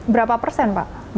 berapa persen pak